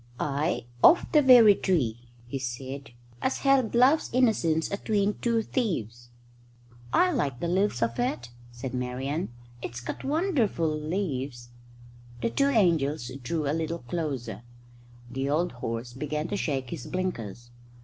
"Aye, of the very tree," he said, "as held Love's Innocence atween two thieves." "I like the leaves of it," said Marian. "It's got wonderful leaves." The two angels drew a little closer. The old horse began to shake his blinkers.